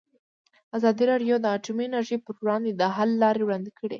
ازادي راډیو د اټومي انرژي پر وړاندې د حل لارې وړاندې کړي.